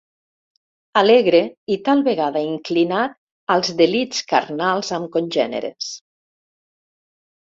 Alegre i tal vegada inclinat als delits carnals amb congèneres.